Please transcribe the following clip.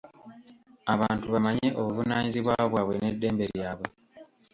Abantu bamanye obuvunaanyizibwa bwabwe n’eddembe lyabwe.